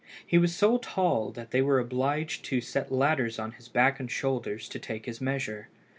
He was so tall that they were obliged to set ladders to his back and shoulders to take his measure.